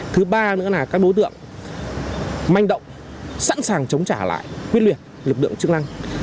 thứ ba nữa là các đối tượng manh động sẵn sàng chống trả lại quyết liệt lực lượng chức năng